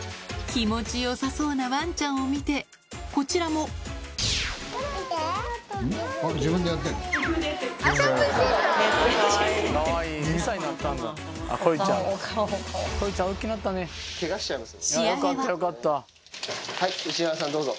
気持ちよさそうなワンちゃんを見てこちらもはい牛島さんどうぞ。